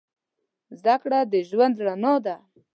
زده کړه د ژوند رڼا ده.